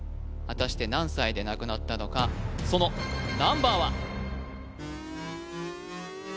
果たして何歳で亡くなったのかそのナンバーは？